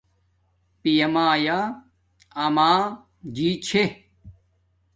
پیا مایا آما جی چھے